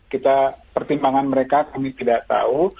kita pertimbangan mereka kami tidak tahu